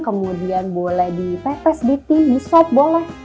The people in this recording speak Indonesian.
kemudian boleh dipepes di tim di sop boleh